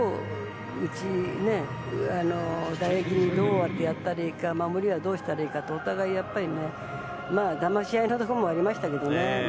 打撃をどうしたらいいか守りはどうしたらいいかってお互いにねだまし合いなところもありましたけどね。